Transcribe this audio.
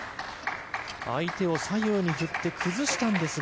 相手を左右に振って崩したんですが。